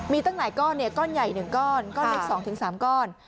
มีตั้งหลายก้อนเนี่ยก้อนใหญ่หนึ่งก้อนก้อนอีกสองถึงสามก้อน